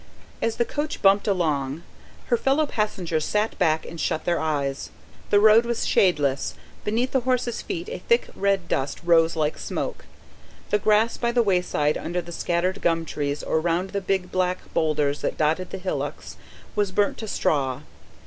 As the coach bumped along, her fellow passengers sat back and shut their eyes. The road was shadeless; beneath the horses' feet a thick red dust rose like smoke. The grass by the wayside, under the scattered gum trees or round the big black boulders that dotted the hillocks, was burnt to straw.